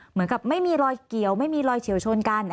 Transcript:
เหมือนกับไม่มีรอยเกี่ยวไม่มีรอยเฉียวชนกัน